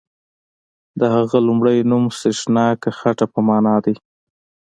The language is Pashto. د هغه لومړی نوم سریښناکه خټه په معنا دی.